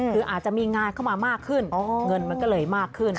คืออาจจะมีงานเข้ามามากขึ้นเงินมันก็เลยมากขึ้น